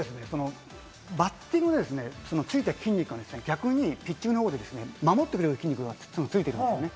バッティングでついた筋肉が逆にピッチングの方で守ってくれる筋肉がついてるんですね。